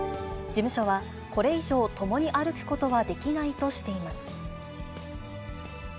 事務所は、これ以上、共に歩くことはできないとしています。